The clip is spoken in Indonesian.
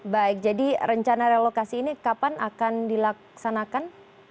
baik jadi rencana relokasi ini kapan akan dilaksanakan